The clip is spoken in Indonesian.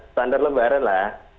standar lebaran lah